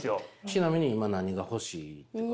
ちなみに今何が欲しい？